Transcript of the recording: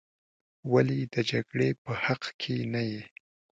ولې د جګړې په حق کې نه یې.